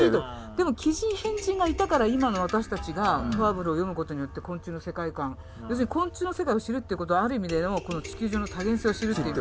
でも奇人変人がいたから今の私たちがファーブルを読むことによって昆虫の世界観要するに昆虫の世界を知るっていうことはある意味でのこの地球上の多元性を知るっていう。